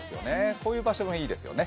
こういう場所もいいですよね。